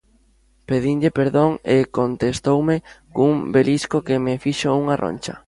Pedinlle perdón e contestoume cun belisco que me fixo unha roncha.